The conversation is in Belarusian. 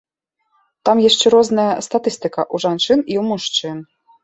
Там яшчэ розная статыстыка ў жанчын і ў мужчын.